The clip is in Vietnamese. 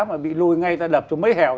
mà bị lôi ngay ra đập cho mấy heo